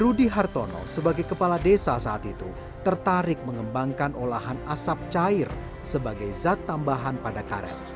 rudy hartono sebagai kepala desa saat itu tertarik mengembangkan olahan asap cair sebagai zat tambahan pada karet